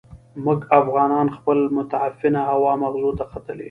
موږ افغانان خپل متعفنه هوا مغزو ته ختلې.